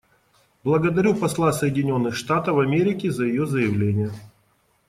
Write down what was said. Благодарю посла Соединенных Штатов Америки за ее заявление.